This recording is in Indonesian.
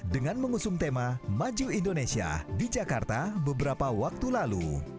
dengan mengusung tema maju indonesia di jakarta beberapa waktu lalu